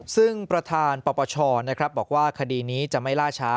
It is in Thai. ซึ่งประธานปปชนะครับบอกว่าคดีนี้จะไม่ล่าช้า